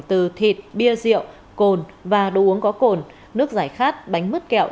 từ thịt bia rượu cồn và đồ uống có cồn nước giải khát bánh mứt kẹo